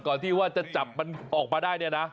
ก่อนที่จะจับมันออกมาได้